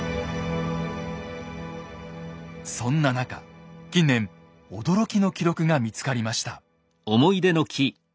そんな中近年驚きの記録が見つかりました。